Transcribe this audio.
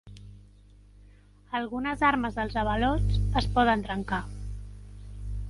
Algunes armes dels avalots es poden trencar.